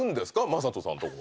魔裟斗さんのとこ。